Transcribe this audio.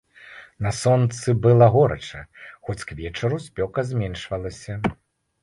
На сонцы было горача, хоць к вечару спёка зменшвалася.